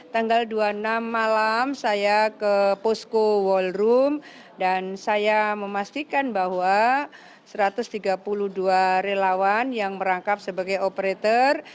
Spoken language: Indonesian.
tanggal dua puluh enam malam saya ke posko wallroom dan saya memastikan bahwa satu ratus tiga puluh dua relawan yang merangkap sebagai operator